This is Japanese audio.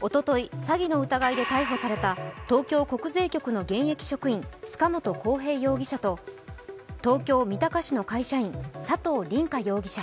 おととい、詐欺の疑いで逮捕された東京国税局の現役職員、塚本晃平容疑者と東京・三鷹市の会社員、佐藤凛果容疑者。